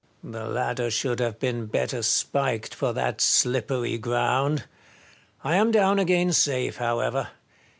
The ladder should have been better spiked for that slippery ground. I am down again safe, however.